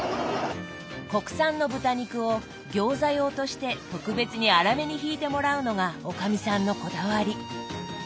国産の豚肉を餃子用として特別に粗めにひいてもらうのがおかみさんのこだわり。